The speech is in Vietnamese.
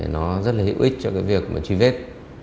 nó rất là hữu ích cho cái việc mà truy vết